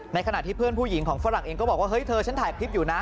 ขณะที่เพื่อนผู้หญิงของฝรั่งเองก็บอกว่าเฮ้ยเธอฉันถ่ายคลิปอยู่นะ